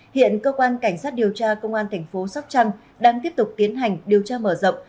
hiện cơ quan cảnh sát điều tra công an thành phố sóc trăng đang tiếp tục tiến hành điều tra mở rộng